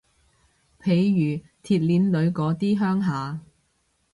譬如鐵鍊女嗰啲鄉下